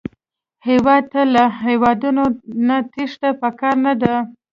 هېواد ته له هېواده نه تېښته پکار نه ده